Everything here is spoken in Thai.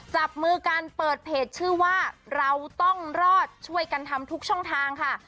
จับมือกันเปิดเพจชื่อว่าเราต้องรอดช่วยกันทำทุกช่องทางค่ะ